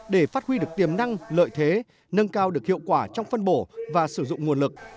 để phát huy được tiềm năng lợi thế nâng cao được hiệu quả trong phân bổ và sử dụng nguồn lực